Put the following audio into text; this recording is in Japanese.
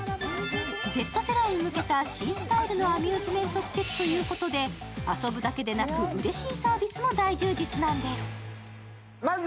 Ｚ世代に向けた新時代のアミューズメント施設ということで遊ぶだけでなく、うれしいサービスも大充実なんです。